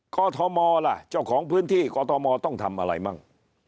อทมล่ะเจ้าของพื้นที่กอทมต้องทำอะไรมั่ง